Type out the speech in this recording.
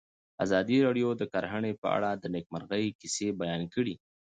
ازادي راډیو د کرهنه په اړه د نېکمرغۍ کیسې بیان کړې.